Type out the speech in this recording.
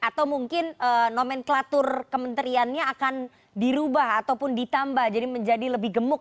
atau mungkin nomenklatur kementeriannya akan dirubah ataupun ditambah jadi menjadi lebih gemuk